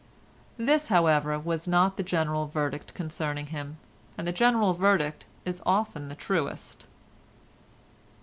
This, however, was not the general verdict concerning him, and the general verdict is often the truest.